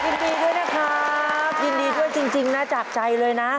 ยินดีด้วยนะครับยินดีด้วยจริงนะจากใจเลยนะ